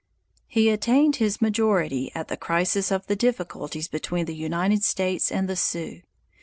He attained his majority at the crisis of the difficulties between the United States and the Sioux.